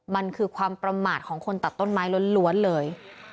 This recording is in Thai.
มันคือความประมาทของคนตัดต้นไม้ล้วนเลย